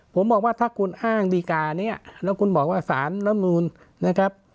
ผมบอกว่าถ้าคุณอ้างดีการนี้แล้วคุณบอกว่าสารลำนูนนะครับ